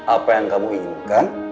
apa yang kamu inginkan